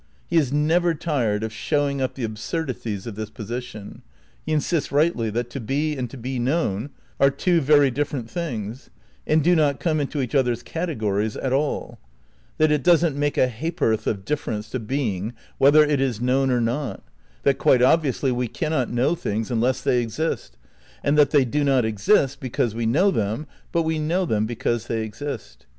'' He is never tired of showing up the absurd ^ ities of this position. He insists rightly that to be and Known to be known are two very different things and do not come into each other's categories at all; that it doesn't make a ha'porth of difference to being whether it is known or not; that quite obviously we cannot know things unless they exist; and that they do not exist because we know them but we know them because they exist.